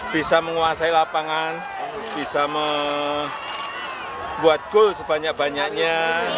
bisa menguasai lapangan bisa membuat goal sebanyak banyaknya